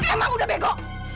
emang udah bego